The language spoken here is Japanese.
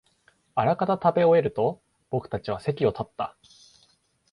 あらかた食べ終えると、僕たちは席を立った